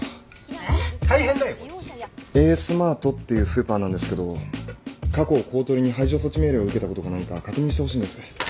エースマートっていうスーパーなんですけど過去公取に排除措置命令を受けたことがないか確認してほしいんです。